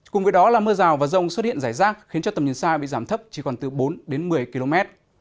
cùng với đó là mưa rào và rông xuất hiện rải rác khiến cho tầm nhìn xa bị giảm thấp chỉ còn từ bốn đến một mươi km